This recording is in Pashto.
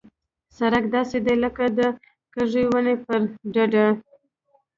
سړک داسې دی لکه د کږې ونې پر ډډ.